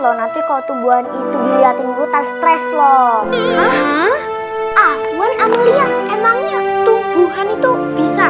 loh nanti kau tubuhan itu dilihatin putar stress loh hah afwan amalia emangnya tubuhan itu bisa